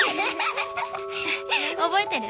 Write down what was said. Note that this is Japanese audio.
覚えてる？